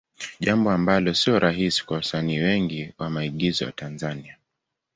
Jambo ambalo sio rahisi kwa wasanii wengi wa maigizo wa Tanzania.